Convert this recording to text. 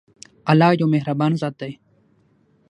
الله يو مهربان ذات دی.